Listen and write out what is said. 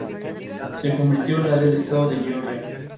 Se convirtió en la del estado de Georgia.